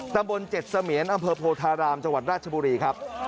ตำบล๗เสมียนอำเภอโพธารามจังหวัดราชบุรีครับ